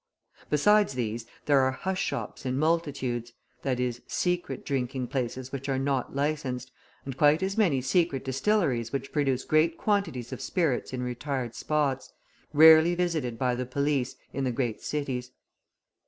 Besides these, there are hush shops in multitudes, i.e., secret drinking places which are not licensed, and quite as many secret distilleries which produce great quantities of spirits in retired spots, rarely visited by the police, in the great cities.